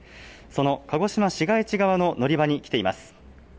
その鹿児島市街地側の乗り場に来ています。